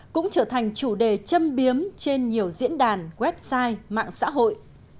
cũng trở thành chủ đề châm biếm trên nhiều diễn đàn website mạng xã hội